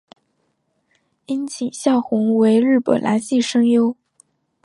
樱井孝宏为日本男性声优。